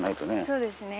そうですね。